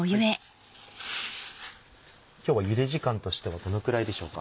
今日はゆで時間としてはどのくらいでしょうか？